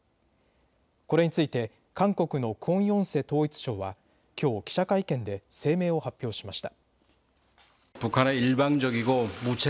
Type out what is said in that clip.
これについて韓国のクォン・ヨンセ統一相はきょう記者会見で声明を発表しました。